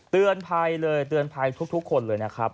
เตือนภัยเลยเตือนภัยทุกคนเลยนะครับ